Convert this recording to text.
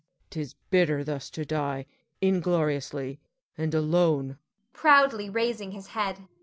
'Tis bitter thus to die, ingloriously and alone. [_Proudly raising his head.